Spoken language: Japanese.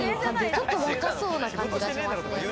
ちょっと若そうな感じがしますね。